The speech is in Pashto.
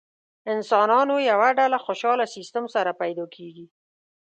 انسانانو یوه ډله خوشاله سیستم سره پیدا کېږي.